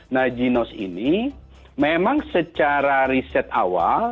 nah ginos ini memang secara riset awal